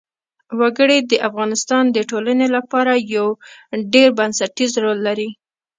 وګړي د افغانستان د ټولنې لپاره یو ډېر بنسټيز رول لري.